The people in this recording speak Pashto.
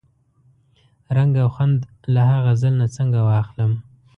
رنګ او خوند له ها غزل نه څنګه واخلم؟